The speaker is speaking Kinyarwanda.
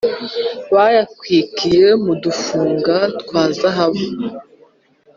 bayakwikira mu dufunga twa zahabu